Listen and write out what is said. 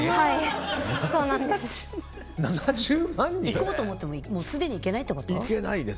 行こうと思ってもすでに行けないってこと？